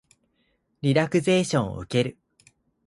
リラクゼーションを受ける